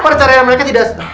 perceraian mereka tidak